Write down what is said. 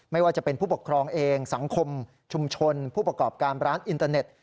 ไม่ว่าจะเป็นผู้ปกครองเองสังคมชุมชนผู้ประกอบการร้านอินเตอร์เน็ต